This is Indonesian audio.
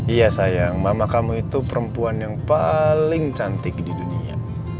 iya sayang mama kamu itu perempuan yang paling cantik di dunia